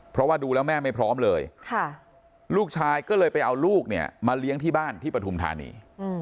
เพราะว่าดูแล้วแม่ไม่พร้อมเลยลูกชายก็เลยไปเอาลูกเนี่ยมาเลี้ยงที่บ้านที่ปฐุมธานี